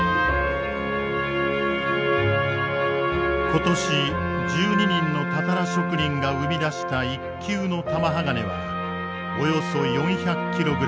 今年１２人のたたら職人が生み出した一級の玉鋼はおよそ４００キログラム。